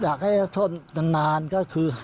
อยากให้เขาถอยย้อนนานก็คือ